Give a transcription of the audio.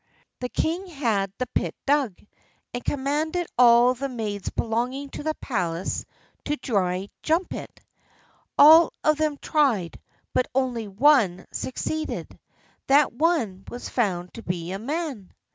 The king had the pit dug, and commanded all the maids belonging to the palace to try to jump it. All of them tried, but only one succeeded. That one was found to be a man!